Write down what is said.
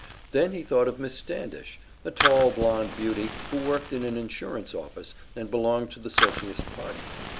Then he thought of Miss Standish, a tall, blond beauty who worked in an insurance office and belonged to the Socialist Party.